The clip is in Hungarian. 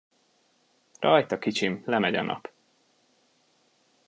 Rajta, kicsim, lemegy a Nap.